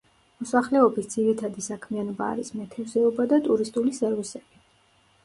მოსახლეობის ძირითადი საქმიანობა არის მეთევზეობა და ტურისტული სერვისები.